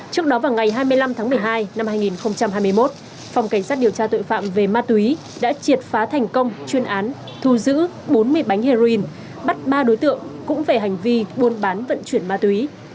trước đó vào ngày hai mươi năm tháng một mươi hai năm hai nghìn hai mươi một phòng cảnh sát điều tra tội phạm về ma túy đã triệt phá thành công chuyên án thu giữ bốn mươi bánh heroin bắt ba đối tượng cũng về hành vi buôn bán vận chuyển ma túy